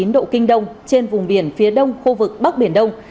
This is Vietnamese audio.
một trăm một mươi tám chín độ kinh đông trên vùng biển phía đông khu vực bắc biển đông